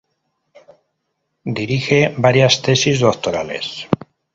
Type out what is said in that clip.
Dirije varias tesis doctorales.